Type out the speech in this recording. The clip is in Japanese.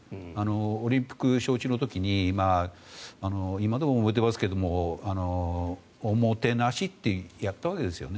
オリンピック招致の時に今でも覚えていますけれど「おもてなし」ってやったわけですよね。